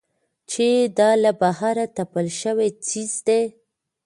چې دا له بهره تپل شوى څيز دى.